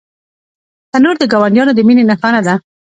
تنور د ګاونډیانو د مینې نښانه ده